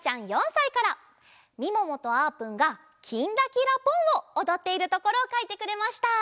みももとあーぷんが「きんらきらぽん」をおどっているところをかいてくれました。